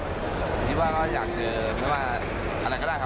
ตอนนี้ดีก็อาจจะเบื่อดูไม่ว่าก็ได้ค่ะ